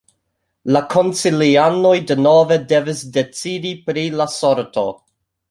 La konsilianoj denove devis decidi pri la sorto.